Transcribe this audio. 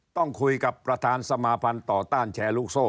ต้องคุยกับประธานสมาภัณฑ์ต่อต้านแชร์ลูกโซ่